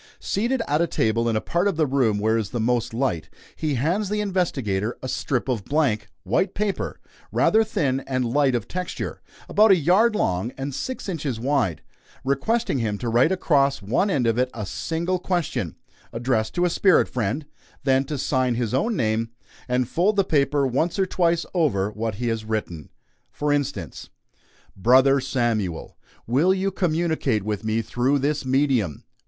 Seated at a table in a part of the room where is the most light, he hands the investigator a strip of blank, white paper, rather thin and light of texture, about a yard long and six inches wide, requesting him to write across one end of it a single question, addressed to a spirit friend, then to sign his own name, and fold the paper once or twice over what he has written. For instance: "BROTHER SAMUEL: Will you communicate with me through this medium?